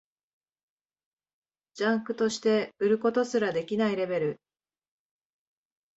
ジャンクとして売ることすらできないレベル